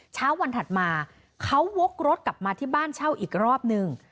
เช้าวันถัดมาเขาวกรถกลับมาที่บ้านเช่าอีกรอบนึง